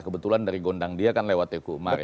kebetulan dari gondang dia kan lewat teguh umar ya